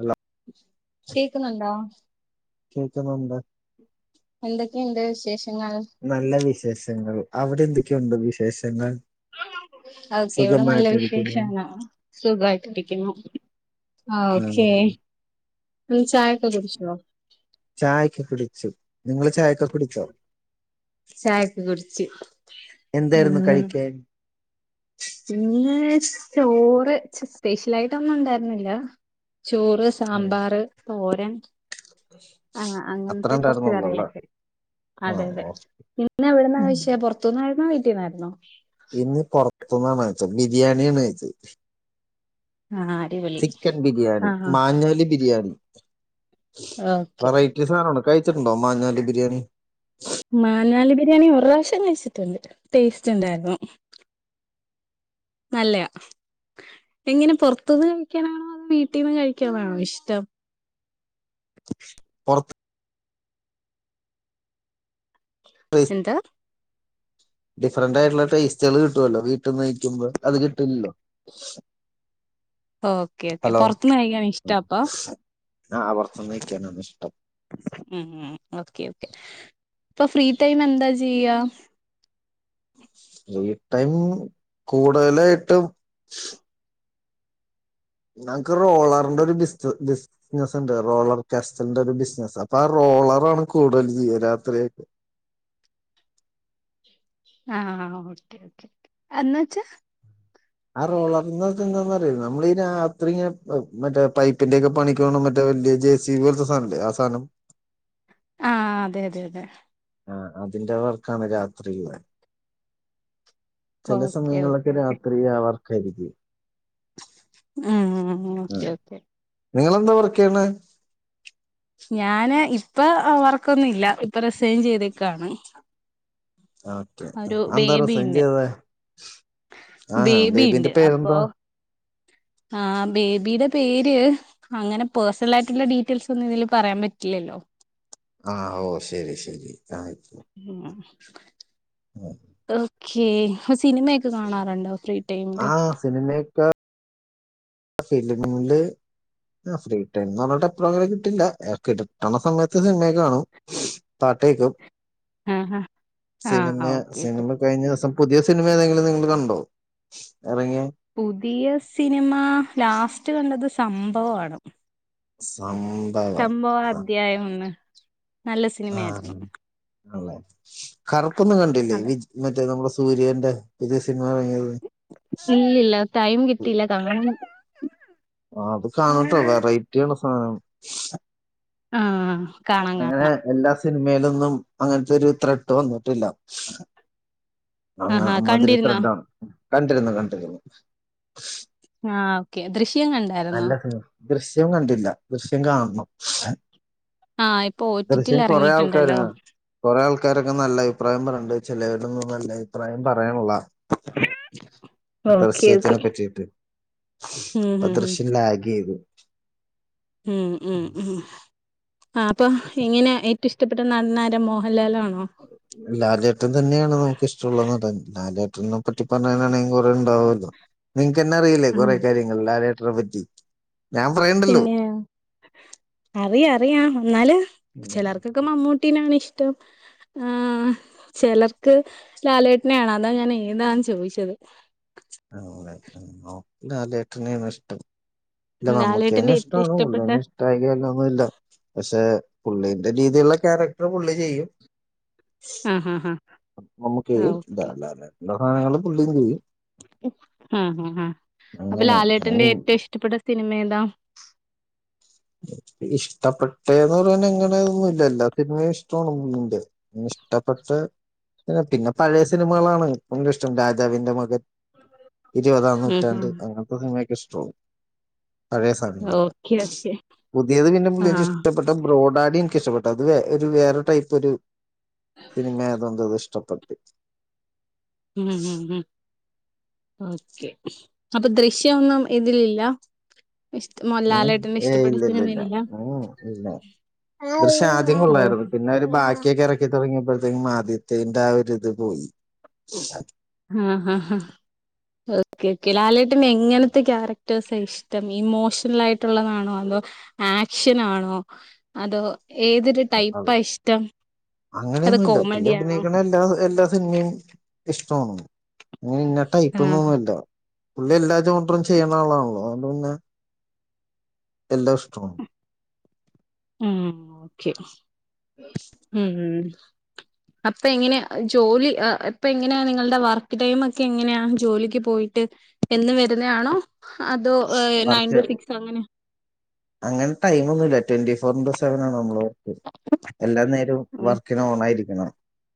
Hello കേക്കുന്നുണ്ടോ കേക്കുന്നുണ്ട് എന്തൊക്കെയുണ്ട് വിശേഷം നല്ല വിശേഷങ്ങൾ, അവിടെ എന്തൊക്കെയുണ്ട് വിശേഷങ്ങൾ? ഓക്കെ ഇവിടെ നല്ല സുഖമായിട്ടിരിക്കുന്നു വിശേഷാണ്, സുഖായിട്ടിരിക്കുന്നു. ആ ഓക്കെ ചായൊക്കെ കുടിച്ചോ ചായക്കെ പിടിച്ചു. നിങ്ങള് ചായക്കൊ കുടിച്ചോ? ചായക്കെ കുടിച്ച് എന്തായിരുന്നു മ് കഴിക്കാൻ പിന്നെ ചോറ് സ്പെഷ്യലായിട്ടൊന്നും ഉണ്ടായിരുന്നില്ല. ചോറ്, ആ, സാമ്പാറ്, തോരൻ ആ അത്ര അങ്ങനത്തെ കൊറച്ച് ഉണ്ടായിരുന്നുള്ളല്ലേ കറികളൊക്കെ ആ അതെ അതെ ഓ ഇന്ന് ഇവിടെന്ന് ഉം. കഴിച്ചേ പൊറ്ത്ത്ന്നായിരുന്നോ വീട്ട്ന്നായിരുന്നോ? ഇന്ന് പൊറ്ത്ത്ന്നാണ് കഴിച്ചത്, ബിരിയാണിയാണ് കഴിച്ചത്. ആ അടിപൊളി ചിക്കൻ ബിരിയാണി ആഹ് മാഞ്ഞലി ബിരിയാണി ഓക്കെ വെറൈറ്റീ സാധനാണ് കഴിച്ചിട്ടുണ്ടോ മഞ്ഞാലി ബിരിയാണി മാനാലി ബിരിയാണി ഒരുറാശ്യം കഴിച്ചിട്ടുണ്ട് ടേസ്റ്റ് ഇണ്ടായിരുന്നു. നല്ലയാ എങ്ങനെ പൊർത്തുന്ന് കഴിക്കാനാണോ അതോ വീട്ടീന്ന് കഴിക്കാനാണോ ഇഷ്ടം പുറത്ത് എന്ത് ഡിഫറന്റ് ആയിട്ടുള്ള ടേസ്റ്റുകൾ കിട്ടുവല്ലോ വീട്ട്ന്ന് കഴിക്കുമ്പോ അത് കിട്ടുലല്ലോ ഓക്കെ ഓക്കെ പൊർത്ത്ന്ന് കഴിക്കാൻ ഇഷ്ടാ അപ്പൊ ആ പുറത്തുനിന്ന് കഴിക്കാനാണ് ഇഷ്ടം ഉം ഉം ഓക്കെ ഓക്കേ ഇപ്പൊ ഫ്രീ ടൈമ് എന്താ ചെയ്യാ ഫ്രീ ടൈം കൂടുതലായിട്ട് ഞങ്ങക്ക് റോളറിന്റെ ഒരു ബിസ്ത് ബിസ് ബിസ്സ്നസ് ഇണ്ട് റോളർക്രാസ്റ്റലിന്റെ ഒരു ബിസിനസ് അപ്പോ റോ കോളറാണ് കൂടുതൽ ജീവരാത്രിയൊക്കെ ആ ഓക്കെ ഓക്കെ എന്ന് വച്ചാ ആ റോളർന്നാച്ചാന്നാറിയോ നമ്മള് ഈ രാത്രി ഇങ്ങനെ മറ്റേ പൈപ്പിന്റെക്കെ പണിക്ക് പോണേ മറ്റേ [unintelligible] ജെ സി ബി പോലത്തെ സധനല്ലേ ആ സാനം. ആ അതെ അതെ അതെ. ആ അതിന്റെ വർക്കാണ് രാത്രില്ലെ. ചെല ഓക്കെ ഓക്കെ സമയങ്ങളിലൊക്കെ ഓക്കെ രാത്രി ആ വർക്കായിരിക്കും. ഉം ഓക്കെ ഉം ഓക്കെ. നിങ്ങളെന്താ വർക്കേയ്യണേ? ഞാന് ഇപ്പോ വർക്കൊന്നും ഇല്ല ഇപ്പൊ റിസൈൻ ചെയ്തെക്കാണ് ഓക്കെ ആ എന്താ റിസൈൻ ചെയ്തത്? ആഹാ ബേബിന്റെ പേരെന്താ? ആ ബേബിടെ പേര് അങ്ങനെ പേഴ്സണലായിട്ടുള്ള ഡീറ്റെയിൽസൊന്നും ഇതില് പറയാൻ പറ്റില്ല. ല്ലോ ആ ഓ ശെരി ശെരി ആയിക്കോ ഓക്കെ സിനിമയൊക്കെ കാണാറുണ്ടോ ഫ്രീ ടൈമില്? ആ സിനിമയൊക്കെ ഫിലിംമ് ല് ആ ഫ്രീ ടൈം അവടെ എപ്പളും കിട്ടില്ല കിട്ടണ സമയത്ത് സിനിമയൊക്ക കാണും. പാട്ടേക്കും ആഹാ സിനിമ ആഹ് ഓക്കെ ഓക്കെ. സിനിമ കഴിഞ്ഞ ദിവസം പുതിയ സിനിമ ഏതെങ്കിലും നിങ്ങള് കണ്ടോ? ഇറങ്ങിയ പുതിയ സിനിമാ ലാസ്റ്റ് കണ്ടത് സംഭവാണ്. സംഭവം സംഭവം ആ അദ്ധ്യായം ഒന്ന്. നല്ല സിനിമ ആയിരുന്നു. അല്ലെ കറുപ്പൊന്നും കണ്ടില്ലേ അതെ വി മറ്റേ നമ്മുടെ സൂര്യന്റെ വിജയ് സി ഇല്ലല്ല ടൈം കിട്ടില്ല കങ്ങ അത് കാണട്ടോ വെറൈറ്റിയാണ് സാധനം ആഹ കാണാം അങ്ങനെ കാണാം എല്ലാ സിനിമയിലൊന്നും അങ്ങനത്തെരു ത്രെട്ട് വന്നിട്ടില്ല അങ്ങ ആഹാ കണ്ടിരുന്നോ? അമ്മതിരുത്രണ്ട കണ്ടിരുന്നു കണ്ടിരുന്നു ആഹ ഓക്കെ ദൃശ നല്ല സിന ദൃശ്യം കണ്ടില്ല ദൃശ്യം കാണുന്നു ആഹ് ഇപ്പൊ ഒ ടി ടിയിൽ ദൃശ്യം കൊറെേ എറങ്ങിയിട്ടുണ്ടല്ലോ. ആൾക്കാരാ കുറെേ ആൾക്കാരൊക്കെ നല്ല അഭിപ്രായം പറയണ്ട് ചിലടെൊന്നും നല്ല അഭിപ്രായം പറയാനുള്ള ഓക്കെ ഓക്കെ. ദൃശ്യത്തിനെ പറ്റിയിട്ട് ഉം അ ഹും ഹും. ദൃശ്യം ലാഗ് ചെയ്തു ഉം ഉം ഉം ആ അപ്പൊ ഇങ്ങനെ ഏറ്റവും ഇഷ്ടപ്പെട്ട നടനാര മോഹൻലാല ആ ലാലേട്ടൻ തന്നെയാണ് നമുക്ക് ഇഷ്ടമുള്ള നടൻ ലാലേട്ടം പറ്റി പറയാനാണെങ്കിൽ കുറെേ ഉണ്ടാകല്ലോ നിങ്ങക്ക് തന്നെ അറിയില്ലേ ആഹ് കൊറെ കാര്യങ്ങളും അവി പിന്നെ അറിയാ അറിയാം എന്നന്നാല് ഉം. ചിലർക്കൊക്കെ മമ്മൂട്ടീനാണ് ഇഷ്ടം ആ ചിലർക്ക് ലാലേട്ടനയാണ് അതാ ഞാൻ ഏതാന്ന് ചോദിച്ചത് നോക്ക നാല ഏട്ടന ഇഷ്ടം ഇല്ല നമ്മുക്കേന്നെ ലാലേട്ടന്റെ ഏറ്റവും ഇഷ്ടണ ഇഷ്ടപ്പെട്ട ഉള്ളേനെ ഇഷ്ട ആല്ല ഒന്നും ഇല്ല പക്ഷെ പുള്ളിറെ രീതിുള്ള ക്യാരക്ടർ പുള്ളി ചെയ്യും ആഹ ഹഹ ഹഹ നമ്മുക്ക് ഇ സാധങ്ങൾ പുള്ളിയും ചെയ്യും ആഹ് അപ്പൊ അങ്ങനെ ലാലേട്ടൻന്റെ അങ്ങനെ ഏറ്റവും ഇഷ്ടപ്പെട്ട സിനിമല്ലാ ഇഷ്ടപ്പെട്ടന്ന് പറയാൻ എങ്ങനൊന്നുംല്ല എല്ലാ സിനിമയും ഇഷ്ടമാണ് മീന്റെ ഇഷ്ടപ്പെട്ട പിന്നെ പഴയ സിനിമകളാണ് എും ഇഷ്ടം രാജാവിന്റെ മകൻ ഇരുപതാം ഉം നൂറ്റാണ്ട് ഉം അങ്ങനത്തെ ഹിമക്ക സ്ട്രോവും പഴയ സമയങ്ങളൊക്കെ ഓക്കെ ഓക്കെ പുതിയത് പിന്നെ ആ എനിക്ക് ഇഷ്ടപ്പെട്ട ബ്രോഡ ആടി എനിിക്കഷ്ടട്ട അത് വ വേറെ ടൈപ്പ് ഒരു സിനിമ അതൊന്നത് ഇഷ്ടപ്പെട്ട ഹം ഹ ഹ െ അപ്പൊ ദൃശ്യംൊന്നും ഇതിലല്ല ഉ ഏ ഇല്ല ഇല്ല ഇല്ല ഉ ഇല്ല ദൃശ്യ ആദ്യം ഓ കൊള്ളായിരുന്നു പിന്നെ ഒരു ബാക്കിയൊക്കെ ഇറക്കി തുടങ്ങി അപ്പോഴത്തേക്കും ആദ്യത്തേന്റെ ആ ഒരി ഇത് പോയി ആഹ ഹഹ ഹഹ ഓക്കെ ഓക്കെ ലാലേട്ടന്റെ എങ്ങനത്തെ ക്യാരക്ടേഴസ് ഇഷ്ടം ഇമോഷണൽ ആയിട്ടുള്ളതാണോ അ ആക്ഷന ആണോ അതോ ഏതൊരു ടൈപ്പാ ഇഷ്ടം അതോ അങ്ങനെയൊന്നുമല്ല പുള്ളി കോമഡി ആണോ അഭിനയിക്കണ എല്ലാ എല്ലാ സിനിമയും ഇഷ്ടോന്നുന്നു ഇന ഇിട്ട് ആഹ് ഇപ്പൊന്നൊന്നുമല്ല പുള്ളി എല്ലാ ചോണ്ടും ചെയ്യണ ആളാണല്ലോ അത്ന്നെ എല്ലോ സ്റ്റോൺ ഉ ഓക്കെ ഉ അപ്പ എങ്ങനെയാ ജോലി ഇപ്പ എങ്ങനെയാ നിങ്ങളുടെ വർക്ക് ടൈം ഒക്കെ എങ്ങനെയാ ജോലിക്ക് പോയിട്ട് എന്ന് വരുന്ന ആണോ അതോ നയൻ വർക്ക് ടു സിക്സ് അങ്ങനെ അങ്ങനെ ടൈമൊന്നുമില്ല ട്വന്റി ഫോർ ഇന്റു സെവൻ ആണ് നമ്മള് വർക്ക് എല്ലാം നേരം ആഹ് വർക്കിന് ഓൺായിരിക്കണം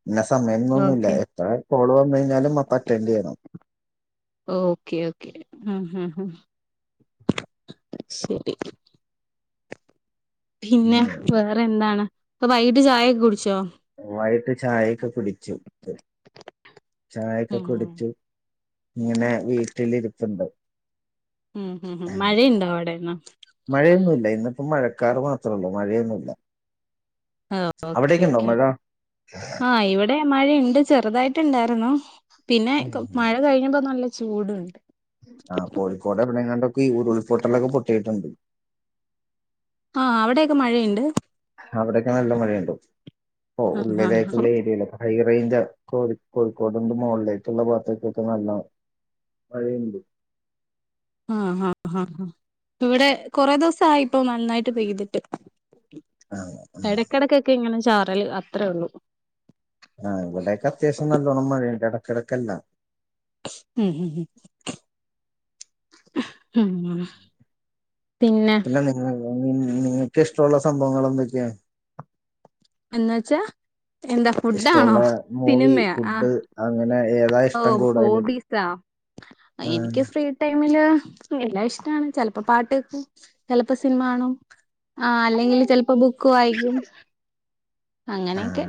പിന്നെ സമയംമന്നൊന്നുമില്ല ഓക്കെ എപ്പോഴ കോള വന്നു കഴിഞ്ഞാലും അപ്പ അറ്റൻഡ് ചെയ്യണം ഓക്കെ ഓക്കെ ആ ശരി. പിന്നെ ഉം. വേറെ എന്താണ് അപ്പ വൈകിട്ട് ചായ ഒക്കെ കുടിച്ചോ.? വായിട്ട് ചായയൊക്കെ കുടിച്ചു. ! ചായൊക്കെ ഉം കുടിച്ച്ു ഇങ്ങനെ വീട്ടിലിരിപ്പുണ്ട്. ഉം ഹ് ഹ് മഴയുണ്ടോ അവിടെന്ന.? മഴയൊന്നുമല്ല ഇന്നിപ്പം മഴക്കാർ മാത്രള്ളൂ മഴയൊന്നുമല്ല. ആ ഓക്കെ ഓക്കെ ആ ഇവിടെ മഴയുണ്ട് ചെറുതായിട്ടുണ്ടായിരുന്നു പിന്നെ മഴ കഴിഞ്ഞ്പ നല്ല ചൂടുണ്ട്. ആ് കോഴിക്കോട് എവിടെെങ്ങാണ്ടൊക്ക ഉരുൾപൊട്ടലൊക്കെ പൊട്ടയിട്ടുണ്ട്. ആ അവിടെയൊക്കെ മഴയിണ്ട്.? അവിടെൊക്കെ നല്ല മഴയിണ്ടോ? അപ്പൊ ആഹ് ആഹ് [unintelligible] ഏരിയയിലൊക്കെ.? റി റൈഞ്ച കോഴി കോഴിക്കോടിന്റെ മുകളിലേകുള്ള ഭാത്തെക്കൊക്കെ നല്ല മഴയിണ്ട്. ആഹ് ആഹ് ആ് അ ഇവിടെ കൊറെേ ദിവസം ആയിപ്പോൊ നന്നായിട്ട് പെയ്തിട്ട്. ആ ആ എടകെടക്കൊക്കെ ഇങ്ങനെ ചാറല് അത്രേ ഉള്ളു. ആഹ ഇവിടൊക്കെ അത്യാവശ്യം നല്ലോണം മഴണ്ട് ഇടക്കിടക്കല്ല. ഉം ഹ ഉ [unintelligible] പിന്നെ.? [unintelligible] നിങ്ങക്ക് ഇഷ്ട്ടോള്ള സംഭവങ്ങൾ എന്തൊക്കെയാ.? എന്ന വച്ചാ എന്താ ഫുഡാണോ ഇഷ്ടമുള്ള മൂവി സിനിമയാ ആ. ഫുഡ് അങ്ങനെ ഏതാ ഓ ഇഷ്ടം കൂടുതല് ഹോബീസ ആ എനിക്ക് ഫ്രീ [unintelligible] ഇഷ്ടണ് ചെലപ്പോ പാട്ട് ക്കും ചെലപ്പോ സിനിമാണും. ആ അല്ലെങ്കിൽ ചിലപ്പോ ബുക്ക് വായിക്കും അങ്ങനെയൊക്കെ.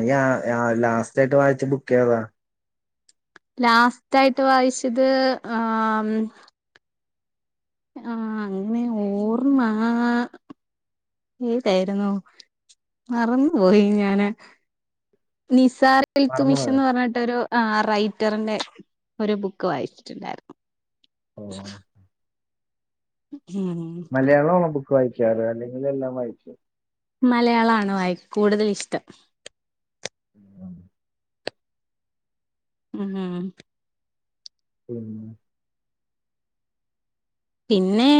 ഐ അ യ ലാസ്റ്റ് ആായിട്ട് വായിച്ച ബുക്ക് ഏതാ.? ലാസ്റ്റ് ആയിട്ട് വായിച്ചത് ആം ആഹ അങ്ങനെ ഓർ മാ. ഏതായിരുന്നു മറന്നു പോയി ഞാന്. നിസാർൽത്തുമിഷൻ മറന്നുപോയോ എന്ന് പറഞ്ഞിട്ടൊരു ആ റൈറ്ററിന്റെ ഒരു ബുക്ക് വായിച്ചിട്ടിണ്ടായിരുന്നു. ഓ ഉം. മലയാളമാണോ ബുക്ക് വായിക്കാറ് അല്ലെങ്കിൽ എല്ലാം വായികോ.? മലയാള ആണോ ആയി കൂടുതൽ ഇഷ്ട്ടം. [unintelligible] മ് ഹ് ഉം പിന്നെ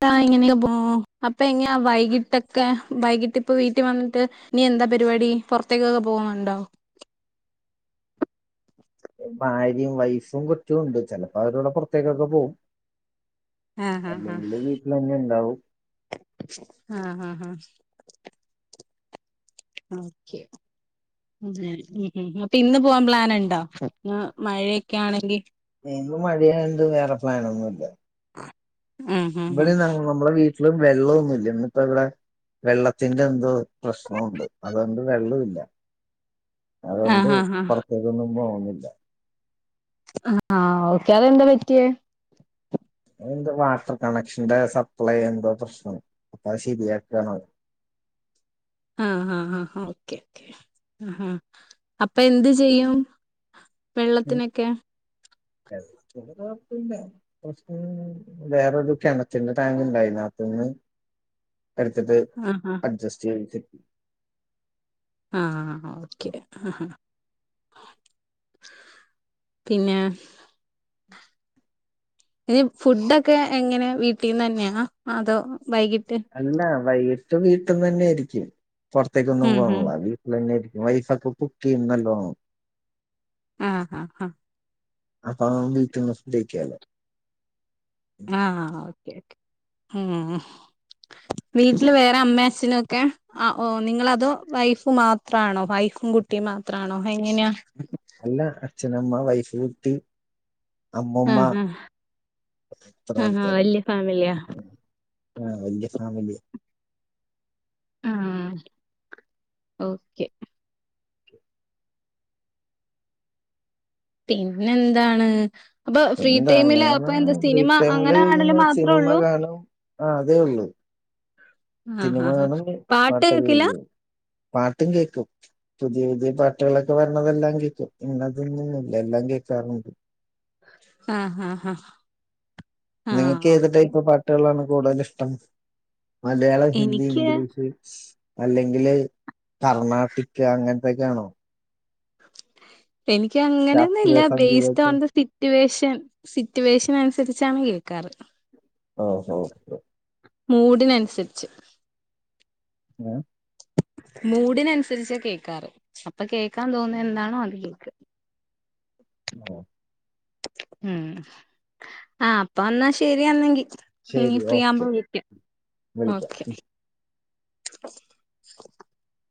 [unintelligible] ഇങ്ങനെയക്കെ പോ അപ്പൊ ഇങ്ങാ വൈകിട്ടൊക്കെ വൈകിട്ട് ഇപ്പ വീട്ടിൽ വന്നിട്ട് നീ എന്താ പരിപാടി പുറത്തേക്കൊക്കെ പോവുണ്ടോ.? ഭാര്യയും വൈഫും കുട്ടിയുണ്ട് ചെലപ്പോ അവരോടെ പോറത്തേക്കൊക്കെ പോവും. ആഹ ഹ ഉണ്ടാവും ആഹ. ആ ആ ഒക്കെ [unintelligible] മ് ഹ് അപ്പൊ ഇന്ന് പോവാൻ പ്ലൻ ണ്ടോ? മഴയൊക്കെ ആണെങ്കി ഇന്ന് മഴയായോണ്ട് വേറെ പ്ലാനൊന്നുമില്ല ആഹ് ആഹ് ഇവിടെ [unintelligible] മ്പളെ വീട്ടില് വെള്ളൊന്നുംല്ല്യ ഇന്നിപ്പ ഇവിടെ വെള്ളത്തിന്റെ എന്തോ പ്രശ്നുണ്ട് അതോണ്ട് വെള്ളം ഇല്ല. [inaudible] അതോണ്ട് ആഹ് ആഹ് ആഹ് പുറത്തേക്കൊന്നും പോകുന്നില്ല. ആ ആ ഓക്കെ അതെന്താ പറ്റിയേ.? എന്ത വാട്ടർ കണക്ഷന്റെ സപ്ലൈ എന്തോ പ്രശ്നം പ്പ ശരിയാകാണ് അവര്. ആഹ ഹഹ ഓക്കെ കെ. ആഹാ അപ്പൊ എന്ത് ചെയ്യും വെള്ളത്തിനൊക്കെ പ്രശ വേറെതൊക്കെയാ [unintelligible] ണ് ചന്ന ടാങ്ക് ഇണ്ടായിരുന്നു അപ്പന്ന് എടുത്തിട്ട് ആഹ് അഡ്ജസ്റ്റ് ചെയ്തിട്ട്.. ആഹ ഓക്കെ ആ പിന്നെ ഇനി ഫുഡൊക്കെ എങ്ങനെ വീട്ടിന്ന് തന്നെയാ അതോ... വൈകിട്ട് അല്ല വൈകിട്ട് വീട്ടന്ന് തന്നെ ആയിരിക്കും പുറത്തേക്കൊന്നും ഉം ഉം പോവില്ല വീട്ടിൽ തന്നെ ആയിരിക്കും വൈഫ് ഒക്കെ പുട്ടി ചെയ്യും ന്നല്ലോ. ആഹ ആഹ് ആഹ അപ്പോ വീട്ടിന്ന് നിർത്തിക്കാലോ. ആഹ ഓക്കെ ഓേ ഉ വീട്ടില് വേറെ അമ്മ അച്ചഛനുക്കെ നിങ്ങളതോ വൈഫ് മാത്രണോ വൈഫും.. കുട്ടി മാത്രമാണോ എങ്ങനെയാ അല്ല അച്ഛനമ്മ വൈഫ് കുട്ടി അമ്മൂമ്മ ആഹ് ആഹ് അത്ര ആഹ് ആഹ് വല്യ പേരുണ്ട് ഫാമിലിയാ ആഹ വല്യ സാമല്യ ആഹ ഓക്കെ പിന്നെ എന്താണ് അപ്പൊ ഫ്രീ എന്താ ടൈമില് വേറെ അപ്പൊ എന്താ ഫ്രീ സിനിമ ടൈമില് അങ്ങനൊണേലും ഇങ്ങനെ മാത്രേ സിനിമ ഉള്ളൂ കാണും ആ അതേ ഉള്ളു ആഹ് സിനിമ ആഹ് കാണും പാട്ട് പാട്ടൊക്കെ കേക്കില്ല കേക്കും പാട്ടും കേക്കും പുതിയ പുതിയ പാട്ടുകളൊക്കെ വരണതെല്ലാം കേക്കും ഇനതൊന്നന്നില്ല എല്ലാം.. കേക്കാറുണ്ട് ആഹ ഹഹ ഹഹ നിങ്ങക്ക് ഏത് ടൈപ്പ് പാട്ടുകളാണ് കൂടുതൽ ഇഷ്ടം മലയാളം ഹിന്ദി എനിക്ക് ഇംഗ്ലീഷ് അല്ലെങ്കില് കർണാട്ടിക് അങ്ങനത്തൊക്കൊണോ എനിക്ക് ശാസ്ത്രീയ അങ്ങനെയൊന്നുംല്ല ബേസ് ഓൺ സംഗീതമൊക്കെ ദസിറ്റുവേഷൻ. സിറ്റുവേഷൻ അനുസരിച്ചാണ് കേക്കാറ് ഓ ഹാ കെ. മൂടിനനുസരിച്ച് ഹേ മൂഡിനനുസരിച്ചാ കേക്കാറ് അപ്പൊ കേൾക്കാൻ തോന്നുന്നത് എന്താണോ അത് കേക്കാ... ഹാ. ഉം ആഹ അപ്പ വന്നാ ശരിയന്നെങ്കി... ഇനി ശരി ഫ്രീ ആവുമ്പോ ഓക്കെ വിളിക്കാം വിളിക്കാം ഓക്കെ [unintelligible]